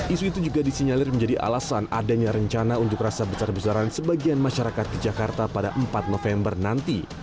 isu itu juga disinyalir menjadi alasan adanya rencana unjuk rasa besar besaran sebagian masyarakat di jakarta pada empat november nanti